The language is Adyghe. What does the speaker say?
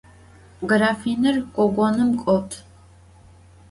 Grafinır gogonım got.